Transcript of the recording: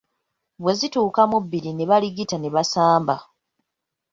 Bwe zituuka mu bbiri ne baligita ne basamba.